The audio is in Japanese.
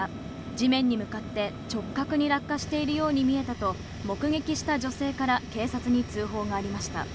地面に向かって直角に落下しているように見えたと、目撃した女性から警察に通報がありました。